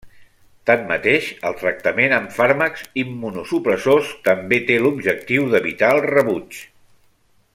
Tanmateix, el tractament amb fàrmacs immunosupressors també té l'objectiu d'evitar el rebuig.